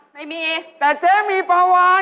ไม่มีแต่เจ๊มีปลาวาน